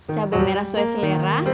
cabai merah sesuai selera